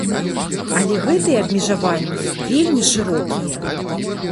Але гэтыя абмежаванні вельмі шырокія.